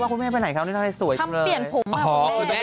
เปลี่ยนภูมิมากครับคุณแม่